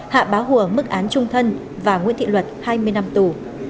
hạ báo hùa mức án trung thân và nguyện thị luật hai mươi năm tù